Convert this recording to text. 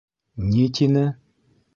Ни тине?